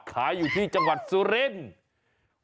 ขายอยู่ที่จังหวัดสุรินทร์